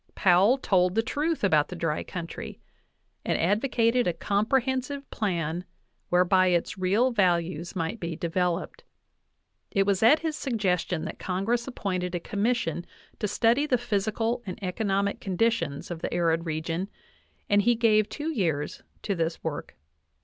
\ "Powell told the truth about the dry country, and advocated a comprehensive plan whereby its real values might be devel oped. It was at his suggestion that Congress appointed a commission to study the physical and economic conditions of the arid region, and he gave two years to this work.